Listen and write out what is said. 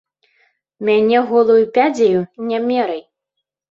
Мяне голаю пядзяю не мерай!